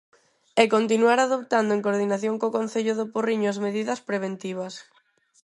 E continuar adoptando en coordinación co Concello do Porriño as medidas preventivas.